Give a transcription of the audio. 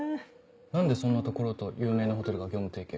何でそんなところと有名なホテルが業務提携？